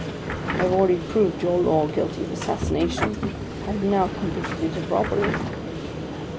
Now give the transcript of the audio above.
I have already proved your law guilty of assassination; I have now convicted it of robbery!